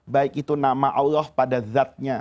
baik itu nama allah pada zatnya